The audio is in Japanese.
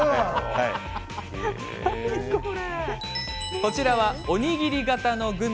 こちらは、おにぎり形のグミ。